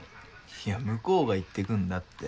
いや向こうが言ってくんだって。